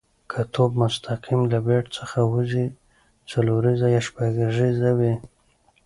که توپ مستقیم له بېټ څخه وځي، څلوریزه یا شپږیزه کیږي.